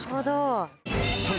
［そう。